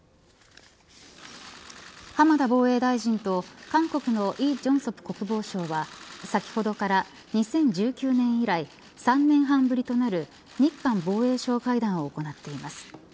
浜田防衛大臣と韓国のイ・ジョンソプ国防相は先ほどから２０１９年以来３年半ぶりとなる日韓防衛相会談を行っています。